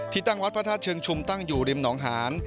ตั้งวัดพระธาตุเชิงชุมตั้งอยู่ริมหนองหาน